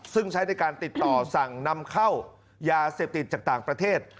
ซึ่งใช้ในการติดต่อสั่งนำเข้ายาเสพติดจากต่างประเทศ